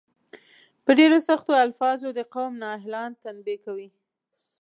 په ډیرو سختو الفاظو د قوم نا اهلان تنبیه کوي.